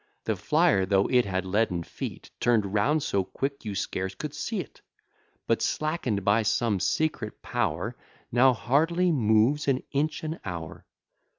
The flyer, though it had leaden feet, Turn'd round so quick you scarce could see't; But, slacken'd by some secret power, Now hardly moves an inch an hour.